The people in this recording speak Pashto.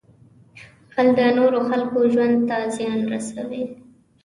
غل د نورو خلکو ژوند ته زیان رسوي